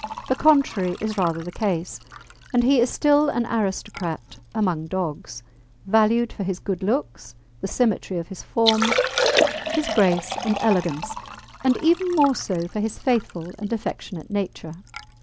The contrary is rather the case, and he is still an aristocrat among dogs, valued for his good looks, the symmetry of his form, his grace and elegance, and even more so for his faithful and affectionate nature.